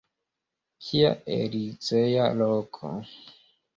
Kia elizea loko!